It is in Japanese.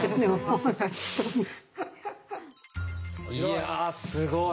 いやすごい。